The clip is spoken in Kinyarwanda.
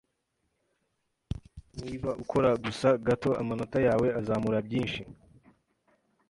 Niba ukora gusa gato amanota yawe azamura byinshi.